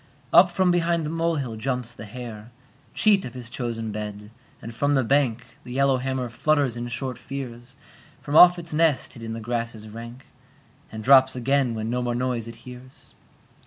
Up from behind the molehill jumps the hare, Cheat of his chosen bed, and from the bank The yellowhammer flutters in short fears From off its nest hid in the grasses rank, And drops again when no more noise it hears.